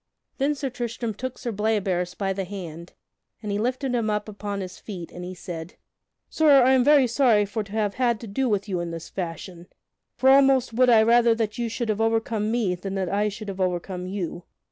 Then Sir Tristram took Sir Bleoberis by the hand and he lifted him up upon his feet, and he said: "Sir, I am very sorry for to have had to do with you in this fashion, for almost would I rather that you should have overcome me than that I should have overcome you.